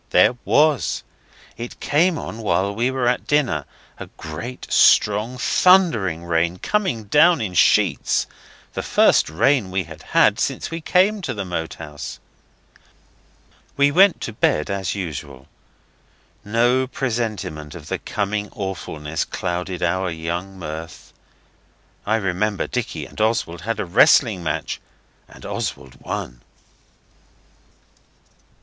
There was. It came on while we were at dinner a great, strong, thundering rain, coming down in sheets the first rain we had had since we came to the Moat House. We went to bed as usual. No presentiment of the coming awfulness clouded our young mirth. I remember Dicky and Oswald had a wrestling match, and Oswald won.